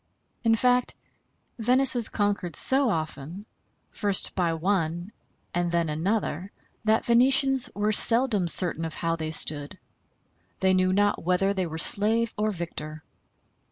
In fact, Venice was conquered so often, first by one and then another, that Venetians were seldom certain of how they stood. They knew not whether they were slave or victor.